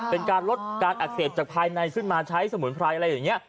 เป็นการลดการอักเสบจากภายในขึ้นมาใช้สมุนไพรอะไรอย่างนี้